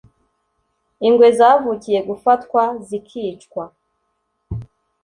ingwe zavukiye gufatwa zikicwa.